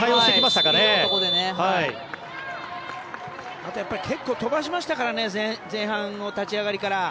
あと結構飛ばしましたからね前半の立ち上がりから。